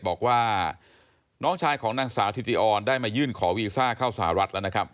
บอกว่าน้องชายของนางสาวธิติออนได้มายื่นขอวีซ่าเข้าสหรัฐแล้วนะครับ